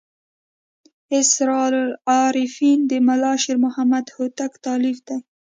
اسرار العارفین د ملا شیر محمد هوتک تألیف دی.